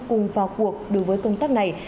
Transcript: cùng vào cuộc đối với công tác này